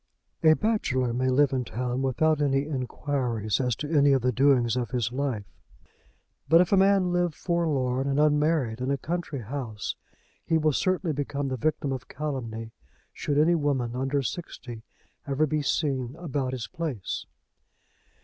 A bachelor may live in town without any inquiries as to any of the doings of his life; but if a man live forlorn and unmarried in a country house, he will certainly become the victim of calumny should any woman under sixty ever be seen about his place.